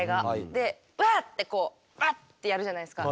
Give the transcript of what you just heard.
でワッてこうバッてやるじゃないですか。